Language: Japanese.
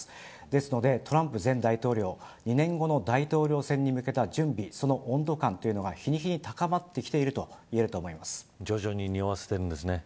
ですので、トランプ前大統領２年後の大統領選に向けた準備その温度感が日に日に高まってきていると徐々ににおわせているんですね。